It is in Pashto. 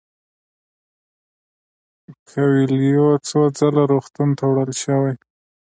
کویلیو څو ځله روغتون ته وړل شوی و.